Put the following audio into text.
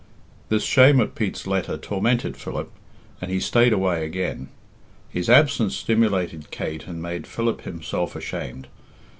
This shame at Pete's letter tormented Philip, and he stayed away again. His absence stimulated Kate and made Philip himself ashamed.